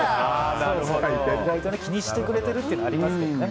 意外と気にしてくれてるっていうのはありますけどね。